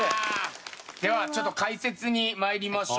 ではちょっと解説にまいりましょう。